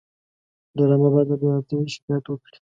ډرامه باید له بېعدالتۍ شکایت وکړي